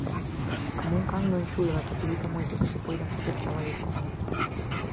Como un can non xulga, facilita moito que se poidan facer traballos con el.